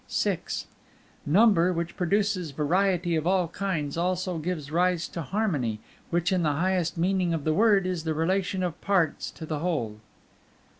VI Number, which produces variety of all kinds, also gives rise to Harmony, which, in the highest meaning of the word, is the relation of parts to the whole.